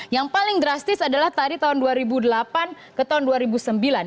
yang paling drastis adalah tadi tahun dua ribu delapan ke tahun dua ribu sembilan